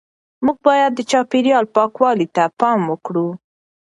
موږ باید د چاپیریال پاکوالي ته پام وکړو.